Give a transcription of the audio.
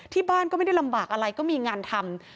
ที่บ้านก็ไม่ได้ลำบากอะไรก็มีงานทำ